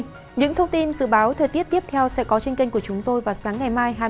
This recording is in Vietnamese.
những thông tin dự báo thời tiết tiếp theo sẽ có trên kênh của chúng tôi vào sáng ngày mai hai mươi một tháng ba